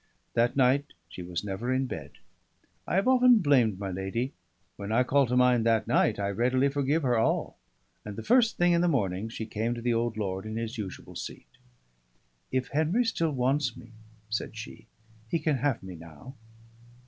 That night she was never in bed; I have often blamed my lady when I call to mind that night I readily forgive her all; and the first thing in the morning she came to the old lord in his usual seat. "If Henry still wants me," said she, "he can have me now."